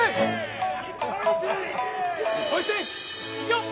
よっ！